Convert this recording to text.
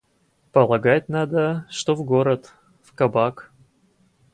Полагать надо, что в город. В кабак.